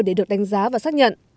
để được đánh giá và xác nhận